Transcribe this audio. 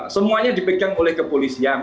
semuanya dipegang oleh kepolisian